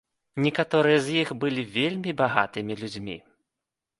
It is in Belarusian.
Некаторыя з іх былі вельмі багатымі людзьмі.